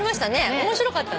面白かったね。